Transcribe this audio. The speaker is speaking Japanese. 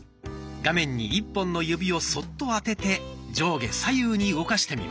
画面に１本の指をそっと当てて上下左右に動かしてみましょう。